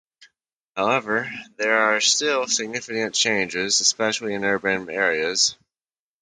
However, there are still significant challenges, especially in urban areas.